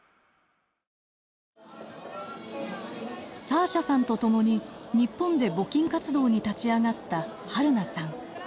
サーシャさんと共に日本で募金活動に立ち上がったはるなさん。